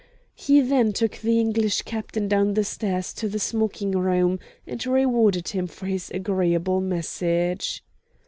He then took the English captain down stairs to the smoking room, and rewarded him for his agreeable message.